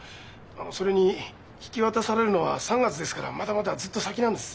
それに引き渡されるのは３月ですからまだまだずっと先なんです。